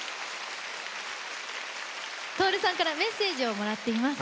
Ｔｏｒｕさんからメッセージをもらっています。